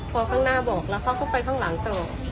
พอข้างหน้าบอกแล้วเขาก็ไปข้างหลังตลอด